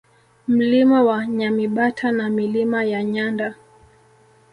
Mlima wa Nyamibata na Milima ya Nyanda